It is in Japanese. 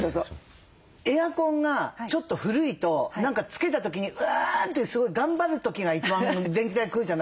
エアコンがちょっと古いとつけた時にうんってすごい頑張る時が一番電気代食うじゃないですか。